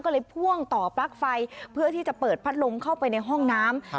ก็เลยพ่วงต่อปลั๊กไฟเพื่อที่จะเปิดพัดลมเข้าไปในห้องน้ำ